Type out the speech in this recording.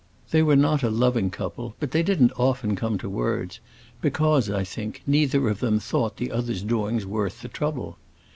They were not a loving couple, but they didn't often come to words, because, I think, neither of them thought the other's doings worth the trouble.